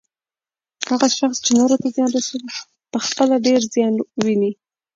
هغه شخص چې نورو ته زیان رسوي، پخپله ډیر زیان ويني